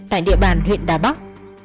tại địa bàn huyện đà bắc